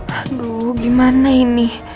aduh gimana ini